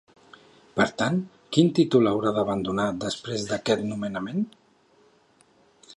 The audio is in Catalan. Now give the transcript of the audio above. Per tant, quin títol haurà d'abandonar després d'aquest nomenament?